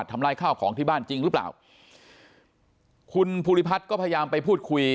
ทำร้ายข้าวของที่บ้านจริงหรือเปล่าคุณภูริพัฒน์ก็พยายามไปพูดคุย